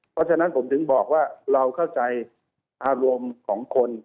เพราะฉะนั้นผมถึงบอกว่าเราเข้าใจอารมณ์ของคน